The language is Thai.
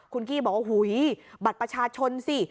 คุณกี้บอกว่าหุยบัตรประชาชนสิ